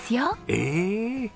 ええ。